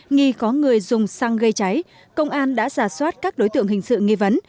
nghi có người dùng xăng gây cháy công an đã giả soát các đối tượng hình sự nghi vấn